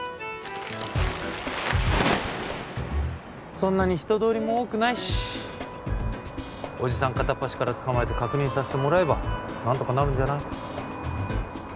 そんなに人通りも多くないしおじさん片っ端から捕まえて確認させてもらえば何とかなるんじゃない？